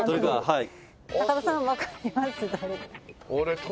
はい。